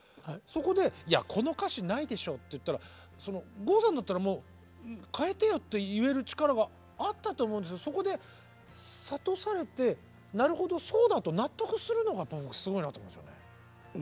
そこでいやこの歌詞ないでしょって言ったら郷さんだったらもう変えてよって言える力があったと思うんですけどそこで諭されてなるほどそうだと納得するのがすごいなと思うんですよね。